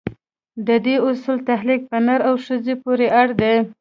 د دې اصول تعلق په نر او ښځې پورې دی.